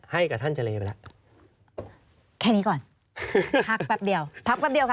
ให้กับท่านเจรไปแล้วแค่นี้ก่อนพักแป๊บเดียวพักแป๊บเดียวค่ะ